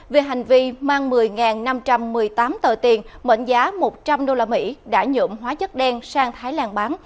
về hành vi mang một mươi năm trăm một mươi tám tờ tiền mệnh giá một trăm linh usd đã nhuộm hóa chất đen sang thái lan bán